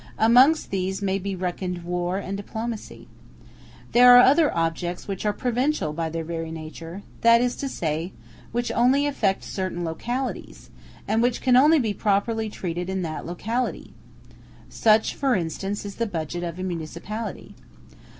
Amongst these may be reckoned war and diplomacy. There are other objects which are provincial by their very nature, that is to say, which only affect certain localities, and which can only be properly treated in that locality. Such, for instance, is the budget of a municipality.